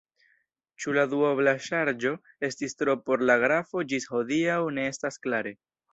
Ĉu la duobla ŝarĝo estis tro por la grafo ĝis hodiaŭ ne estas klare.